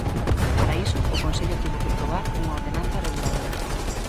Para iso o Concello tivo que aprobar unha ordenanza reguladora.